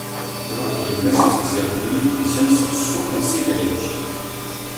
Tebɣa-d yemma-s izegzawen i d-yusan seg ssuq n Sidi Ɛic.